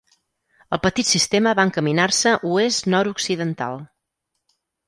El petit sistema va encaminar-se oest-nord-occidental.